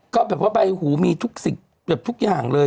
ก็แบบว่าใบหูมีทุกสิ่งแบบทุกอย่างเลย